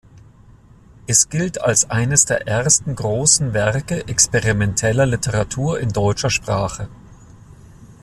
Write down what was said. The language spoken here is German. Es gilt als eines der ersten großen Werke experimenteller Literatur in deutscher Sprache.